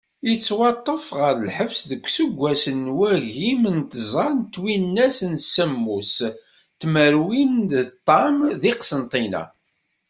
Yettwaṭṭef ɣer lḥebs deg useggas n wagim d tẓa twinas d semmus tmerwin d ṭam di Qsentina.